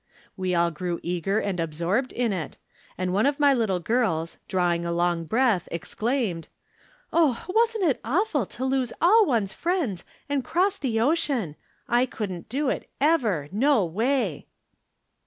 We all grew eager and absorbed in it, and one of my little girls, drawing a long breath, exclaimed :" Oh, wasn't it awful to lose all one's friends and cross the ocean ! I couldn't do it, ever, no way